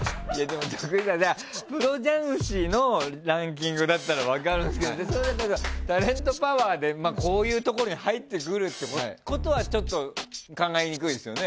プロ雀士のランキングだったら分かるけどタレントパワーでこういうところに入ってくるってことは考えにくいですよね？